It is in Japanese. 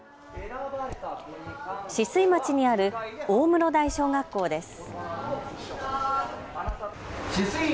酒々井町にある大室台小学校です。